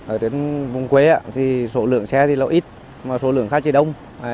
ở vùng quê số lượng xe là ít số lượng khách là đông